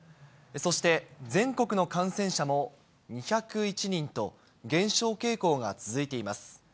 そして、全国の感染者も２０１人と減少傾向が続いています。